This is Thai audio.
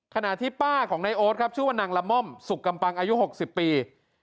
ขณะที่ป้าของนายโอ๊ตครับชื่อว่านางละม่อมสุกกำปังอายุ๖๐ปี